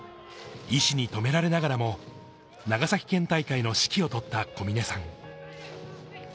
医師に止められながらも長崎県大会の指揮を執った小嶺さん。